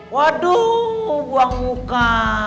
waduh buang muka